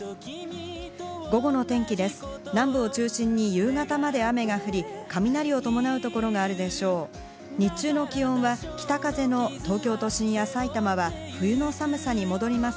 午後の天気です。